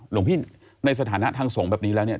หลวงพี่ในสถานะทางสงฆ์แบบนี้แล้วเนี่ย